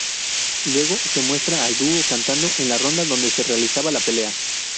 Luego, se muestra al dúo cantando en la ronda donde se realizaba la pelea.